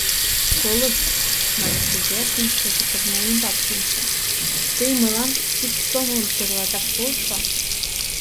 — Колышт, — мане Кугергин, шкеже пырня ӱмбак шинче, — тый мылам ик сомылым тӧрлаташ полшо.